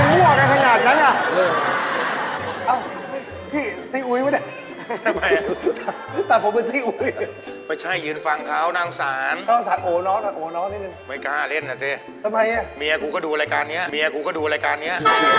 บ้าจริงทำไมนั่งความหลวกในขณะนั้นน่ะ